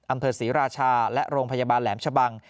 อำเภอศรีราชาและโรงพยาบาลแหลมชะบัง